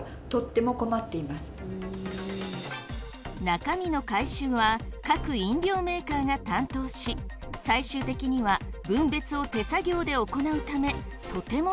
中身の回収は各飲料メーカーが担当し最終的には分別を手作業で行うためとても大変です。